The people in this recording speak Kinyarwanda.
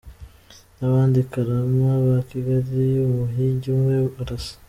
n’abandi i Karama ka Kigali. Umuhigi umwe arasa